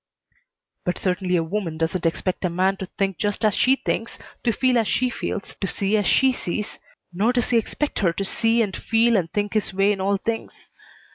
"But certainly a woman doesn't expect a man to think just as she thinks, to feel as she feels, to see as she sees, nor does he expect her to see and feel and think his way in all things.